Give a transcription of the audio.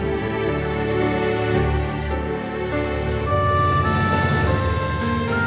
sebelum dia nbangsa